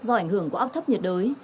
do ảnh hưởng của ốc thấp nhiệt đới